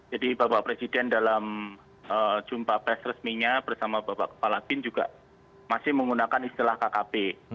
jadi bapak presiden dalam jumpa pres resminya bersama bapak kepala bin juga masih menggunakan istilah kkb